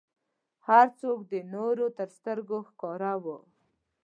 هر څوک د نورو تر سترګو ښکاره و.